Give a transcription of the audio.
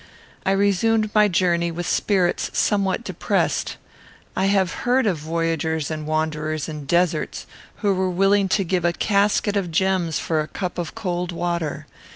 I resumed my journey with spirits somewhat depressed. I have heard of voyagers and wanderers in deserts, who were willing to give a casket of gems for a cup of cold water.